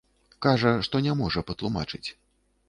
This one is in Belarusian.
Кажа, што не можа патлумачыць.